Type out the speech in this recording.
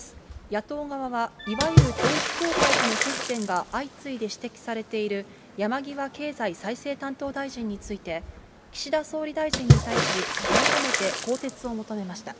野党側は、いわゆる統一教会との接点が相次いで指摘されている、山際経済再生担当大臣について、岸田総理大臣に対し、改めて更迭を求めました。